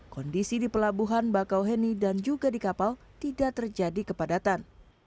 kondisi di pelabuhan bakauheni dan juga di kapal tidak terjadi kepadatan